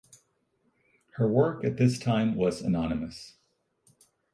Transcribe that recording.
Her work at this time was anonymous.